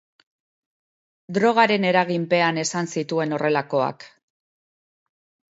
Drogaren eraginpean esan zituen horrelakoak.